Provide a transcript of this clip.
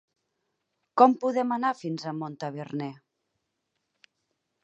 Com podem anar fins a Montaverner?